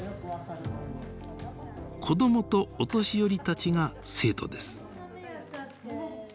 子どもとお年寄りたちが生徒です。